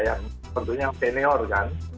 yang sepertinya senior kan